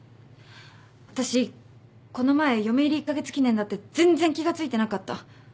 私この前嫁入り１カ月記念だって全然気が付いてなかった。